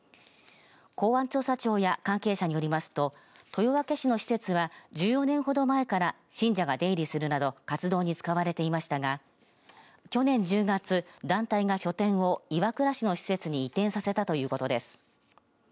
公安調査庁や関係者によりますと豊明市の施設は１４年ほど前から信者が出入りするなど活動に使われていましたが去年１０月、団体が拠点を岩倉市の施設に移転させたということです。